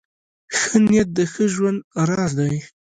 ښه نیت د ښه ژوند راز دی .